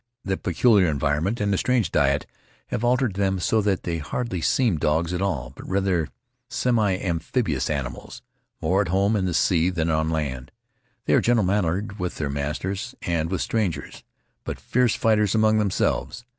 The peculiar environment and the strange diet have altered them so that they hardly seem dogs at all, but, rather, semiamphibious animals, more at home in the sea than on land. They are gentle mannered with their masters and with strangers, but fierce fighters among themselves.